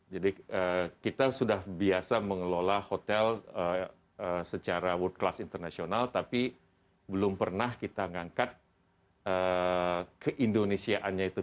jadi kita sudah biasa mengelola hotel secara world class international tapi belum pernah kita mengangkat keindonesiaannya itu ke asli